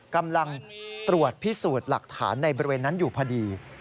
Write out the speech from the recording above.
กำลังตรวจพิสูจน์หลักฐานในบริเวณนั้นอยู่พอดี